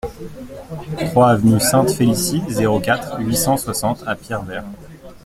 trois avenue Sainte-Félicie, zéro quatre, huit cent soixante à Pierrevert